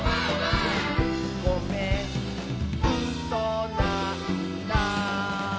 「ごめんうそなんだ」